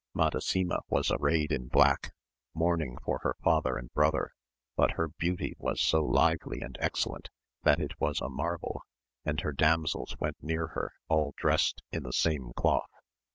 Madasima was arrayed in black, mourning for her father and brother, but her beauty was so lively and excellent that it was a mar vel, and her damsels went near her all drest in the same cloth.